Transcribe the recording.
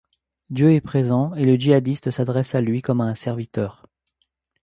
Dieu est présent et le djihadiste s'adresse à lui comme à un serviteur.